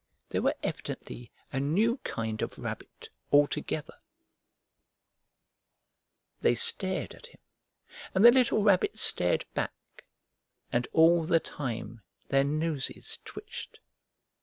They were evidently a new kind of rabbit altogether. Summer Days They stared at him, and the little Rabbit stared back. And all the time their noses twitched.